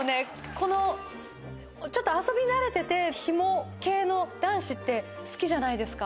このちょっと遊び慣れててヒモ系の男子って好きじゃないですか？